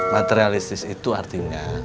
materialistis itu artinya